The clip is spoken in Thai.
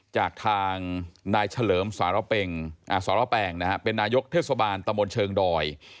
จากทางนายเฉลิมสารแปงนะฮะเป็นนายกเทศบาลตะมนต์เชิงดอย